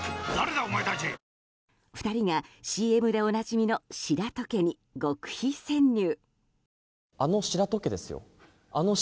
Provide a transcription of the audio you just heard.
２人が、ＣＭでおなじみの白戸家に極秘潜入。